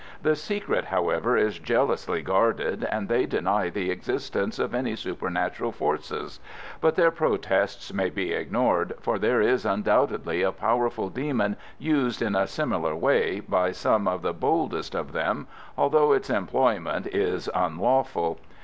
The secret, however, is jealously guarded, and they deny the existence of any supernatural forces; but their protests may be ignored, for there is undoubtedly a powerful demon used in a similar way by some of the boldest of them, although its employment is unlawful.